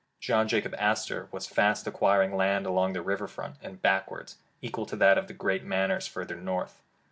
John Jacob Astor was fast acquiring land along the river front and backward, equal to that of the great Manors further north.